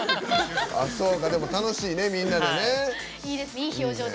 でも楽しいね、みんなでね。